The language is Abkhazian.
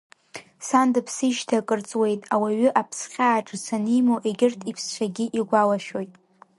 Сан дыԥсижьҭеи акыр ҵуеит, ауаҩы аԥсхьаа ҿыц анимоу егьырҭ иԥсцәагьы игәалашәоит.